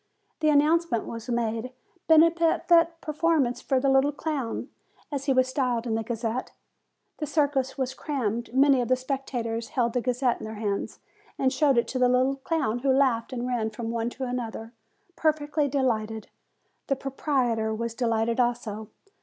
The announcement was made: Benefit Performance for the Little Clown, as he was styled in the Gazette. The circus was crammed; many of the spectators held the Gazette in their hands, and showed it to the little clown, who laughed and ran from one to another, perfectly delighted. The proprietor was delighted also.